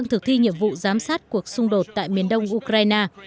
thực thi nhiệm vụ giám sát cuộc xung đột tại miền đông ukraine